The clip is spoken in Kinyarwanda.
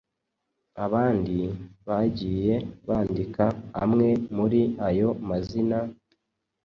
abandi, bagiye bandika amwe muri ayo mazina,